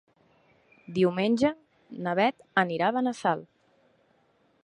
Diumenge na Beth anirà a Benassal.